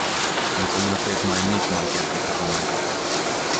În comună trăiesc mai mulți maghiari decât români.